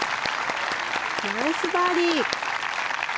ナイスバーディー！